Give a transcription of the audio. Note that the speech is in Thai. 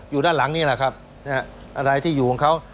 อยู่ด้านหลังนี่แหละครับอะไรที่อยู่ของเขา